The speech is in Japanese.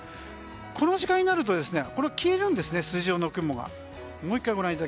この時間になると消えるんですね。